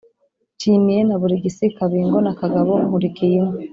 Nshimiye na Burigisi Kabingo na Kagabo Nkurikiyinka